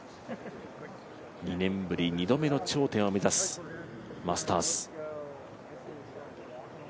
２年ぶり２度目の頂点を目指すマスターズ。